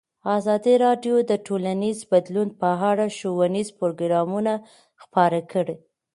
ازادي راډیو د ټولنیز بدلون په اړه ښوونیز پروګرامونه خپاره کړي.